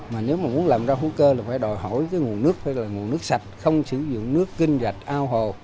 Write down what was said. mà nếu mà muốn làm rau hữu cơ là phải đòi hỏi cái nguồn nước phải là nguồn nước sạch không sử dụng nước kinh dạch ao hồ